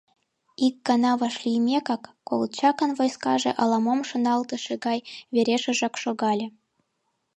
Ик гана вашлиймекак, Колчакын войскаже ала-мом шоналтыше гай верешыжак шогале.